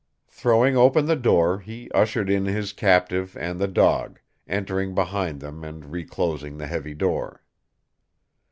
Throwing open the door, he ushered in his captive and the dog, entering behind them and reclosing the heavy door.